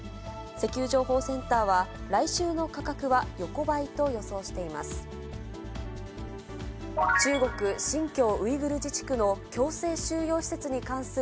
石油情報センターは、来週の価格は横ばいと予想しています。